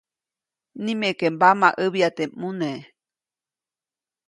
Nimeke mbamaʼäbya teʼ ʼmune.